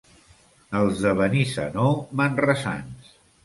Els de Benissanó, manresans.